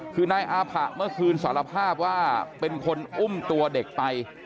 คือนายอาผะเมื่อคืนสารภาพว่าเป็นคนอุ้มตัวเด็กไป